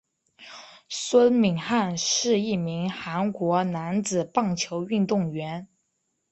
孙敏汉是一名韩国男子棒球运动员。